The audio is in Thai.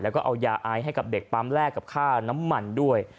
แล้วก็เอายาไอให้กับเด็กปั๊มแลกกับค่าน้ำมันด้วย